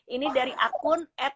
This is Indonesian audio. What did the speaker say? ini dari akun